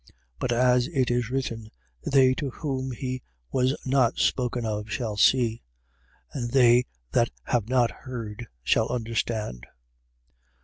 15:21. But as it is written: They to whom he was not spoken of shall see: and they that have not heard shall understand.